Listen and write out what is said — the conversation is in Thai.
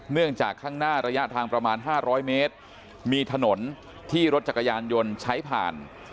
เนื่องจากข้างหน้าระยะทางประมาณ๕๐๐เมตรมีถนนที่รถจักรยานยนต์ใช้ผ่าน